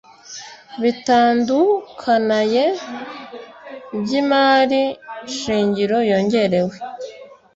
bitandukanaye by’imari shingiro yongerewe